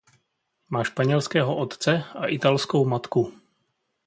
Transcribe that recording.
Má španělského otce a italskou matku.